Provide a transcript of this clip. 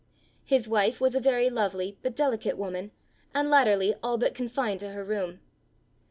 His wife was a very lovely, but delicate woman, and latterly all but confined to her room.